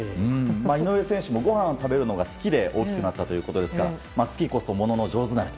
井上選手もご飯を食べるのが好きで大きくなったということですから好きこそものの上手なれと。